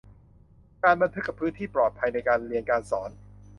การบันทึกกับพื้นที่ปลอดภัยในการเรียนการสอน